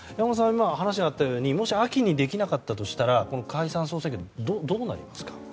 今、話があったようにもし秋にできなかったとしたら解散・総選挙、どうなりますか。